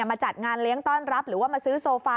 มาจัดงานเลี้ยงต้อนรับหรือว่ามาซื้อโซฟา